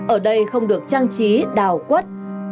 ở đây không được trang trí đào quất